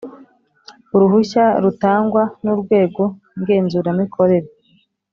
uruhushya rutangwa n’ urwego ngenzuramikorere;